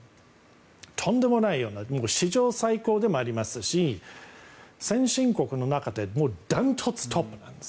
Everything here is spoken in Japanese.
とんでもないような史上最高でもありますし先進国の中で断トツトップなんです。